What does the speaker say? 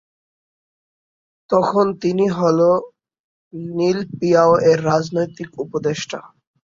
তখন তিনি হন লিন পিয়াও-এর রাজনৈতিক উপদেষ্টা।